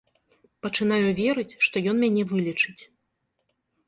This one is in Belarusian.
Пачынаю верыць, што ён мяне вылечыць.